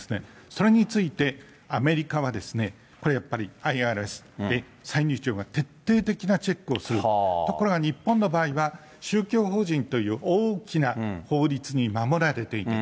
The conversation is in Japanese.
それについて、アメリカはこれやっぱり、ＩＲＳ・歳入庁が徹底的なチェックをする、ところが日本の場合は、宗教法人という大きな法律に守られている。